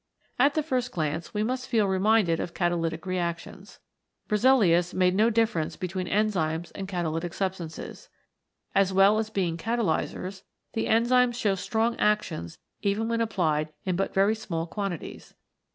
At the first glance we must feel reminded of catalytic reactions. Berzelius made no difference between enzymes and catalytic substances. As well as being catalysers the enzymes show strong actions even when applied in but very small quantities.